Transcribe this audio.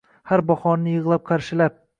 Har bahorni yig’lab qarshilab